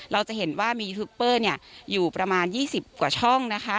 เราจะเห็นว่ามียูทูปเปอร์อยู่ประมาณ๒๐กว่าช่องนะคะ